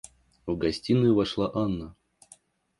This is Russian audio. В гостиную вошла Анна.